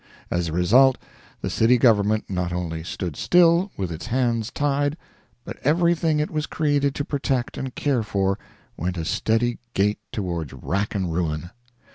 As a result, the city government not only stood still, with its hands tied, but everything it was created to protect and care for went a steady gait toward rack and ruin.